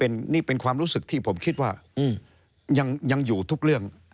นี่เป็นความรู้สึกที่ผมคิดว่ายังอยู่ทุกเรื่อง